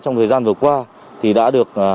trong thời gian vừa qua thì đã được